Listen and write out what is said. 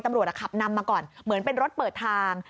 ตำรวจขับนำมาก่อนเหมือนเป็นรถเปิดทาง